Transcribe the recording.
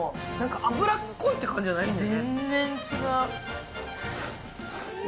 脂っこいって感じじゃないのね。